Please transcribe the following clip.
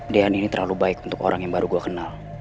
dean ini terlalu baik untuk orang yang baru gue kenal